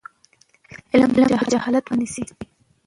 علم د جهالت مخه نیسي.